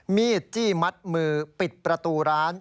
มีดจี้มัดมือปิดประตูร้าน